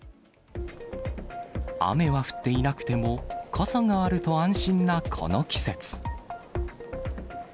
雨は降っていなくても、傘があると安心なこの季節。